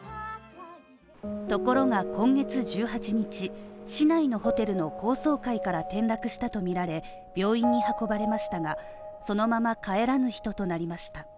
ところが今月１８日、市内のホテルの高層階から転落したとみられ、病院に運ばれましたが、そのまま帰らぬ人となりました。